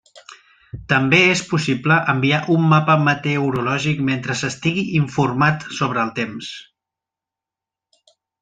També és possible enviar un mapa meteorològic mentre s'estigui informat sobre el temps.